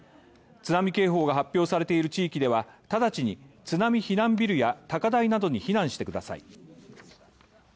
津波警報が発表されている地域では、直ちに津波避難ビルや高台などに避難してください。